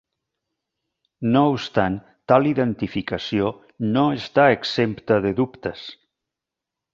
No obstant tal identificació no està exempta de dubtes.